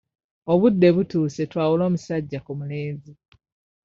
Obudde butuuse twawule omusajja ku mulenzi.